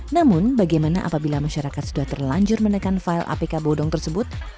namun bagaimana apabila masyarakat sudah terlanjur menekan file apk bodong tersebut